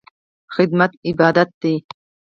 خدمت عبادت دی